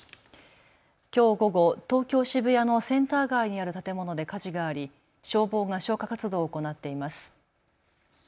きょう午後、東京渋谷のセンター街にある建物で火事があり消防が消火活動を行っています。